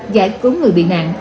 giải cứu người bị nạn